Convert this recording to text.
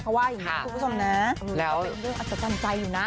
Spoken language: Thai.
เพราะว่าอย่างนี้คุณผู้ชมนะเป็นเรื่องอาจจะทำใจอยู่นะ